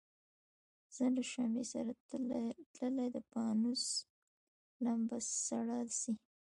زه له شمعي سره تللی د پانوس لمبه سړه سي